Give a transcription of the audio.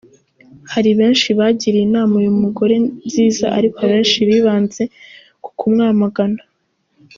Hari benshi bagiriye inama uyu mugore nziza ariko abenshi bibanze ku kumwamagana.